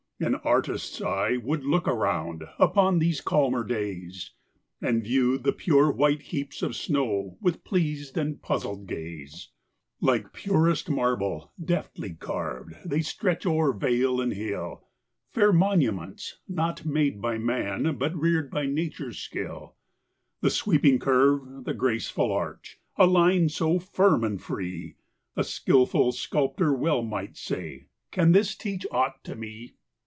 An artist's eye would look around, Upon these calmer days, And view the pure white heaps of snow, With pleas'd and puzzl'd gaze. Like purest marble, deftly carv'd, They stretch o'er vale and hill, Fair monuments, not made by man, But rear'd by nature's skill. The sweeping curve, the graceful arch, The line so firm and free; A skilful sculptor well might say: "Can this teach aught to me?"